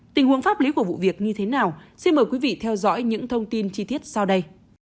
tình huống pháp lý của vụ việc như thế nào xin mời quý vị theo dõi những thông tin chi tiết sau đây